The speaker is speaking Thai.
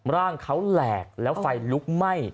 ร่างเขาแหลกแล้วไฟลุกไหม้